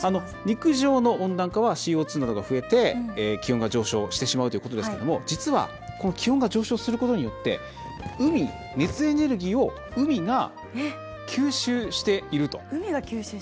陸上の温暖化はＣＯ２などが増えて、気温が上昇してしまうということですけれども実は気温が上昇することによって熱エネルギーを海が吸収していると。